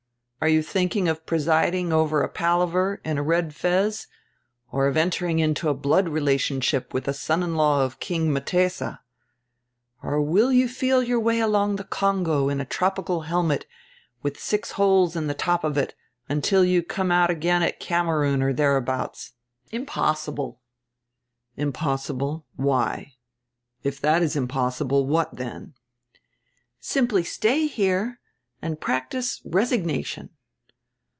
Are you thinking of presiding over a palaver, in a red fez, or of entering into blood relationship widi a son in law of King Mtesa? Or will you feel your way along the Congo in a tropical helmet, widi six holes in die top of it, until you come out again at Kamerun or thereabouts? Impossible!" "Impossible? Why? If that is impossible, what dien?" "Simply stay here and practice resignation.